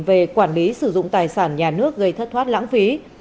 về quản lý sử dụng tài sản nhà nước gây thất thoát lãng phí